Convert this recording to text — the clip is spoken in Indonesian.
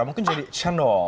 mungkin jadi cendol